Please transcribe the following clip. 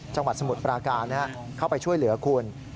สมุทรปราการเข้าไปช่วยเหลือคุณ